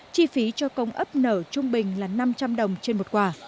chi phí cho công ấp nở trung bình là năm trăm linh đồng trên một quả